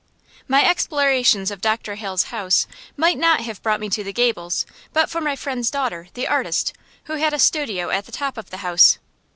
My explorations of Dr. Hale's house might not have brought me to the gables, but for my friend's daughter, the artist, who had a studio at the top of the house.